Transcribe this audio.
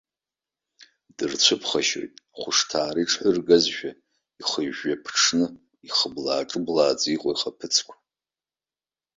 Дырцәыԥхашьоит ахәышҭаара иҽҳәыргазшәа, ихыжәжәа-ԥыҽҽны, ихыблаа-ҿыблааӡа иҟоу ихаԥыцқәа.